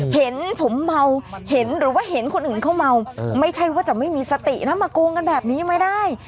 เห็นผมเมาเห็นหรือว่าเห็นคนอื่นเขาเมาไม่ใช่ว่าจะไม่มีสตินะมาโกงกันแบบนี้ไม่ได้